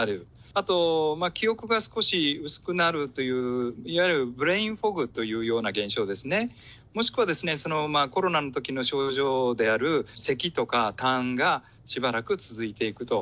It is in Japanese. あと記憶が少し薄くなるという、いわゆるブレーンフォグというような現象ですね、もしくはそのコロナのときの症状である、せきとかたんが、しばらく続いていくと。